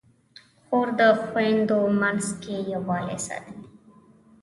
خور د خویندو منځ کې یووالی ساتي.